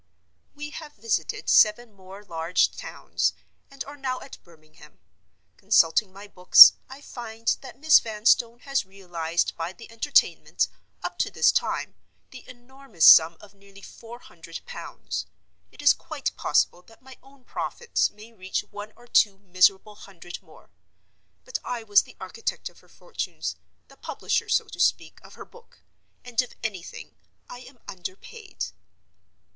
We have visited seven more large towns, and are now at Birmingham. Consulting my books, I find that Miss Vanstone has realized by the Entertainment, up to this time, the enormous sum of nearly four hundred pounds. It is quite possible that my own profits may reach one or two miserable hundred more. But I was the architect of her fortunes—the publisher, so to speak, of her book—and, if anything, I am underpaid.